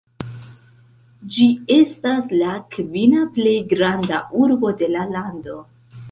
Ĝi estas la kvina plej granda urbo de la lando.